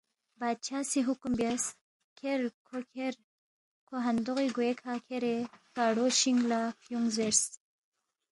بادشاہ سی حکم بیاس، کھیر کھو کھیر کھو ہندوغی گوے کھہ کھیرے کاڑُوشِنگ لہ فیُونگ زیرس